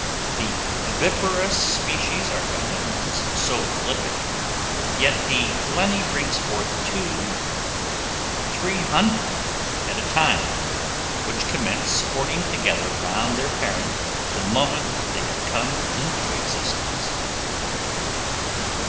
The viviparous species are by no means so prolific; yet the blenny brings forth two or three hundred at a time, which commence sporting together round their parent the moment they have come into existence.